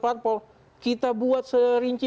parpol kita buat serinci